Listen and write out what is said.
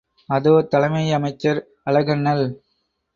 அதோ தலைமை அமைச்சர் அழகண்ணல்!